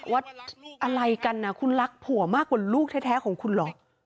ว่าอะไรกันคุณรักผัวมากกว่าลูกแท้ของคุณเหรอ